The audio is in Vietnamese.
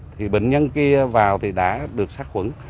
thì bệnh nhân kia vào thì đã được sát khuẩn